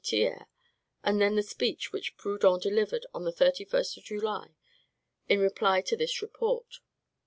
Thiers, and then the speech which Proudhon delivered, on the 31st of July, in reply to this report.